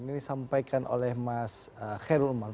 ini disampaikan oleh mas khairulman